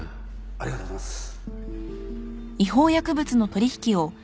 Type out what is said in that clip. ありがとうございます。